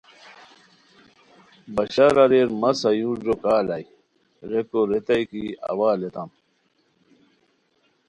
بشار اریر مہ سایورجو کا الائے؟ ریکو ریتائے کی اوا الیتام